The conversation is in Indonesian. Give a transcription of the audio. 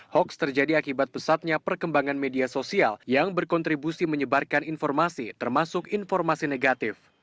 hoaks terjadi akibat pesatnya perkembangan media sosial yang berkontribusi menyebarkan informasi termasuk informasi negatif